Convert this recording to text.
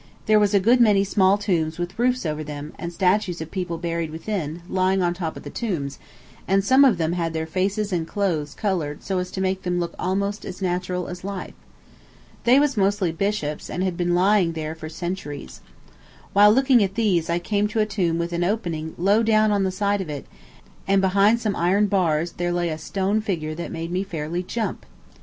There was a good many small tombs with roofs over them, and statues of people buried within, lying on top of the tombs, and some of them had their faces and clothes colored so as to make them look almost as natural as life. They was mostly bishops, and had been lying there for centuries. While looking at these I came to a tomb with an opening low down on the side of it, and behind some iron bars there lay a stone figure that made me fairly jump.